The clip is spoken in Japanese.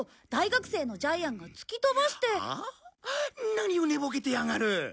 何を寝ぼけてやがる。